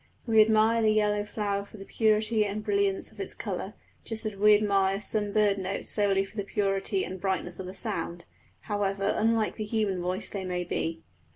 We admire the yellow flower for the purity and brilliance of its colour, just as we admire some bird notes solely for the purity and brightness of the sound, however unlike the human voice they may be.